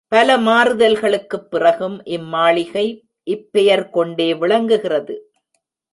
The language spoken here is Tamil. பல மாறுதல்களுக்குப் பிறகும், இம் மாளிகை இப்பெயர் கொண்டே விளங்குகிறது.